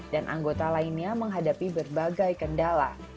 dan anggota lainnya menghadapi berbagai kendala